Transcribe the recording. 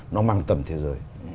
nó mang tầm thế giới